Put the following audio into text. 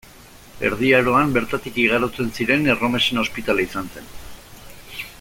Erdi Aroan bertatik igarotzen ziren erromesen ospitale izan zen.